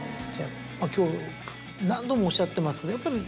今日何度もおっしゃってますがやっぱり。